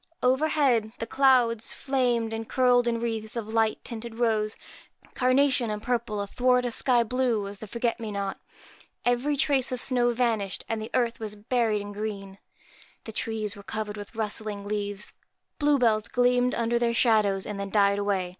Overhead, the clouds flamed and curled in wreaths of light tinted rose, carnation, and purple, athwart a sky blue as the forget me not. Every trace of snow vanished, and the earth was buried in green. The trees were covered with rustling leaves. Blue bells gleamed under their shadows, and then died away.